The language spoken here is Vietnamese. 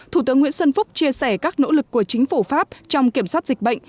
thủ tướng nguyễn xuân phúc chia sẻ các nỗ lực của chính phủ pháp trong kiểm soát dịch bệnh